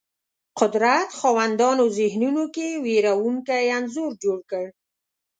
قدرت خاوندانو ذهنونو کې وېرونکی انځور جوړ کړ